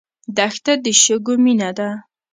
دښته د شګو مینه ده.